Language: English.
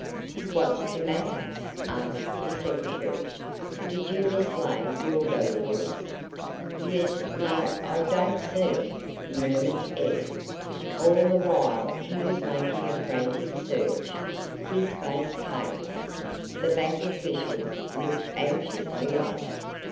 "What's the matter?" asked the secretary. "Did you mislay your valuables?" "Yes no I don't see " murmured Ed. All the while he was making a frantic search. His face paled. The bank officials looked anxiously on.